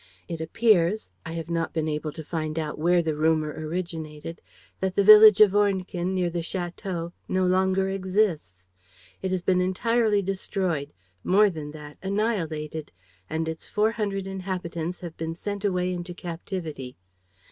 It appears I have not been able to find out where the rumor originated that the village of Ornequin, near the château, no longer exists. It has been entirely destroyed, more than that, annihilated; and its four hundred inhabitants have been sent away into captivity.